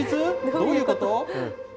どういうこと？